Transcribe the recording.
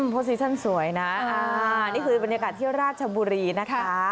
โปสิชั่นสวยนะนี่คือบรรยากาศเที่ยวราชบุรีนะคะ